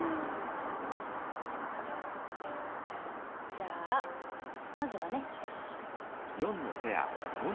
じゃあまずはねやさしく。